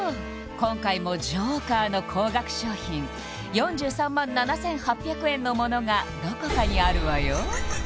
今回もＪＯＫＥＲの高額商品４３７８００円のものがどこかにあるわよ